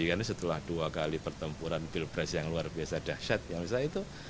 karena setelah dua kali pertempuran pilpres yang luar biasa dahsyat yang lusa itu